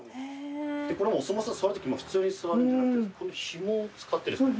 これもお相撲さん座るとき普通に座るんじゃなくてこのひもを使ってですね